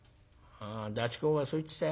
ダチ公がそう言ってたよ。